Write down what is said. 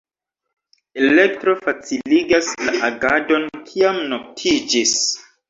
Elektro faciligas la agadon, kiam noktiĝis.